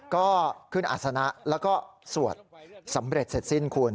ก็ขึ้นอาศนะแล้วก็สวดสำเร็จเสร็จสิ้นคุณ